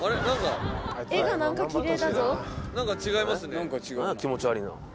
何や気持ち悪いな。